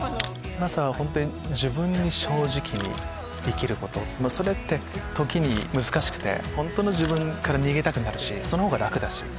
まさは本当に自分に正直に生きることそれって時に難しくて本当の自分から逃げたくなるしその方が楽だし。